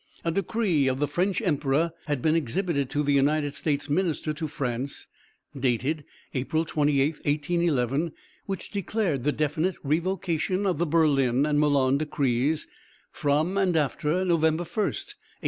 A decree of the French emperor had been exhibited to the United States minister to France, dated April 28, 1811, which declared the definite revocation of the Berlin and Milan decrees, from and after November 1, 1810.